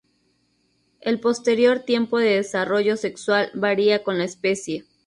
El posterior tiempo de desarrollo sexual varía con la especie.